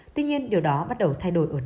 tuy nhiên điều đó bắt đầu thay đổi ở nam phi